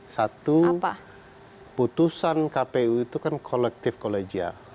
satu putusan kpu itu kan kolektif kolegial